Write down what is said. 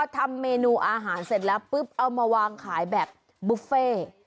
ทำเมนูอาหารเสร็จแล้วปุ๊บเอามาวางขายแบบบุฟเฟ่